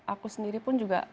aku sendiri pun juga